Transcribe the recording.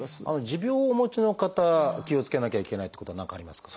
持病をお持ちの方気をつけなきゃいけないっていうことは何かありますか？